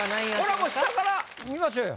これはもう下から見ましょうよ。